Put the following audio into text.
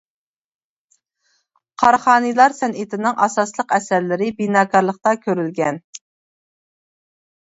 قاراخانىيلار سەنئىتىنىڭ ئاساسلىق ئەسەرلىرى بىناكارلىقتا كۆرۈلگەن.